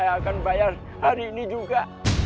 yang akan bayar hari ini juga